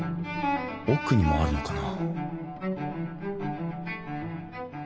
奥にもあるのかな？